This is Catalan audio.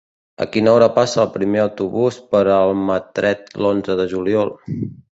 A quina hora passa el primer autobús per Almatret l'onze de juliol?